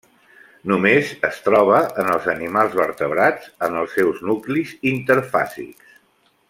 Només es troba en els animals vertebrats, en els seus nuclis interfàsics.